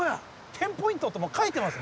テンポイントとも書いてます。